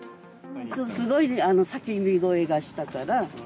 すごい叫び声がしたから。